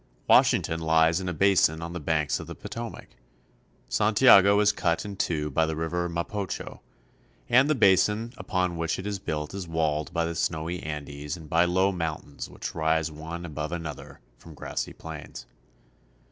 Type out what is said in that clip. Wash ington lies in a basin on the banks of the Potomac. San tiago is cut in two by the river Mapo'cho, and the basin upon which it is built is walled by the snowy Andes and by low mountains which rise one above another from grassy plains.